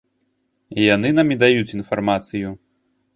Яны нам і даюць інфармацыю.